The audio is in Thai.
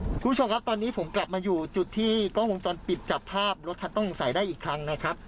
คุณผู้ชมครับตอนนี้ผมกลับมาอยู่จุดที่กล้องวงจรปิดจับภาพรถคันต้องสงสัยได้อีกครั้งนะครับ